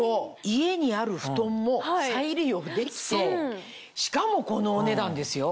家にある布団も再利用できてしかもこのお値段ですよ。